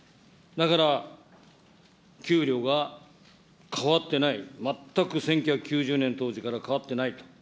だから給料が変わってない、全く１９９０年当時から変わってない。